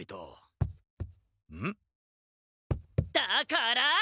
だから！